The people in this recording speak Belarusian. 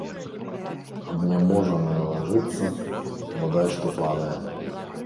Абняможаная лажыцца, бадай што падае.